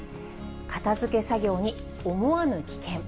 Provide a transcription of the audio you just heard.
片づけ作業に思わぬ危険。